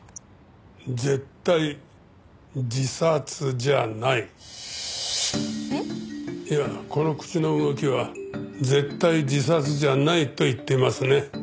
「絶対自殺じゃない」。えっ？いやこの口の動きは「絶対自殺じゃない」と言ってますね。